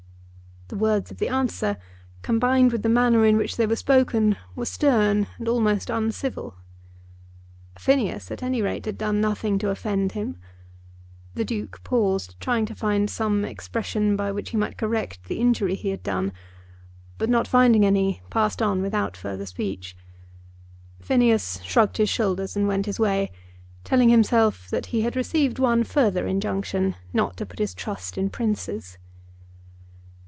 The words of the answer, combined with the manner in which they were spoken, were stern and almost uncivil. Phineas, at any rate, had done nothing to offend him. The Duke paused, trying to find some expression by which he might correct the injury he had done; but, not finding any, passed on without further speech. Phineas shrugged his shoulders and went his way, telling himself that he had received one further injunction not to put his trust in princes.